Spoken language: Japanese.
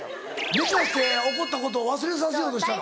寝かして怒ったことを忘れさせようとしたの？